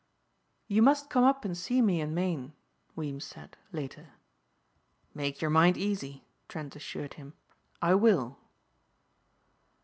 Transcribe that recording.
"You must come up and see me in Maine," Weems said, later. "Make your mind easy," Trent assured him, "I will."